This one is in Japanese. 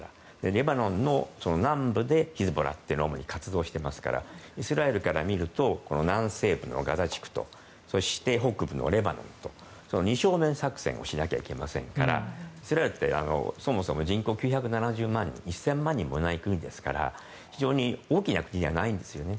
レバノンの南部でヒズボラは主に活動していますからイスラエルから見ると南西部のガザ地区と北部のレバノンと二正面作戦をしなくてはいけませんからイスラエルってそもそも人口９７０万人１０００万人もいない国ですから非常に大きな国ではないんですよね。